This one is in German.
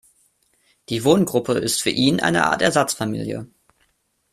Die Wohngruppe ist für ihn eine Art Ersatzfamilie.